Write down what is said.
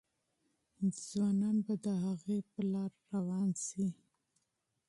ځوانان به د هغې لار تعقیب کړي.